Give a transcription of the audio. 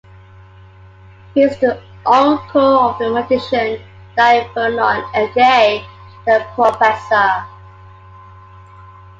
He is the uncle of the magician Dai Vernon aka 'The Professor'.